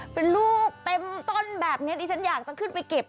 เป็นลูกเต็มต้นแบบนี้ดิฉันอยากจะขึ้นไปเก็บ